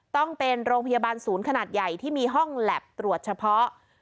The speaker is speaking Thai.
ต้องเป็นโรงพยาบาลศูนย์ขนาดใหญ่ที่มีห้องแล็บตรวจเฉพาะ